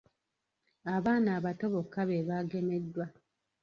Abaana abato bokka be baagemeddwa.